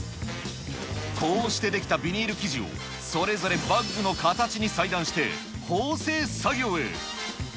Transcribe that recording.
こうして出来たビニール生地を、それぞれバッグの形に裁断して縫製作業へ。